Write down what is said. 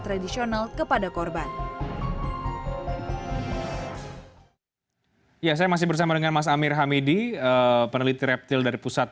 tradisional kepada korban ya saya masih bersama dengan mas amir hamidi peneliti reptil dari pusat